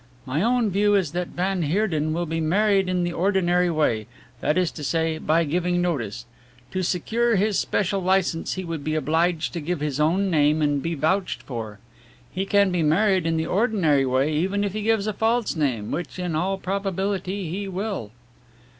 My own view is that van Heerden will be married in the ordinary way, that is to say by giving notice. To secure his special licence he would be obliged to give his own name and be vouched for; he can be married in the ordinary way even if he gives a false name, which in all probability he will."